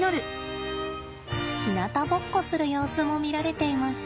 ひなたぼっこする様子も見られています。